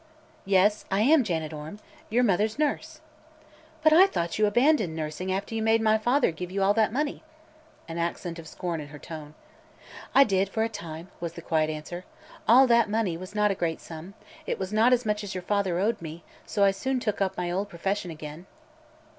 "Yes; I am Janet Orme, your mother's nurse." "But I thought you abandoned nursing after you made my father give you all that money," an accent of scorn in her tone. "I did, for a time," was the quiet answer. "'All that money' was not a great sum; it was not as much as your father owed me, so I soon took up my old profession again."